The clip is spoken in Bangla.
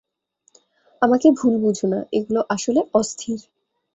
আমাকে ভুল বুঝো না, এগুলো আসলে অস্থির।